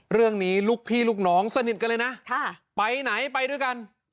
ลูกพี่ลูกน้องสนิทกันเลยนะไปไหนไปด้วยกัน